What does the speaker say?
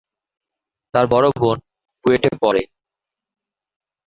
তার বড় বোন বুয়েটে পড়ে।